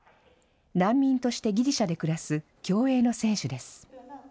難民としてギリシャで暮らす競泳の選手です。